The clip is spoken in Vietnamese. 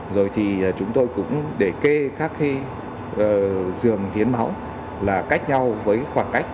rồi thì chúng tôi cũng để kê các dường hiến máu là cách nhau với khoảng cách